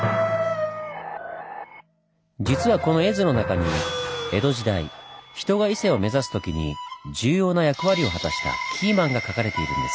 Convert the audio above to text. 実はこの絵図の中に江戸時代人が伊勢を目指す時に重要な役割を果たしたキーマンがかかれているんです。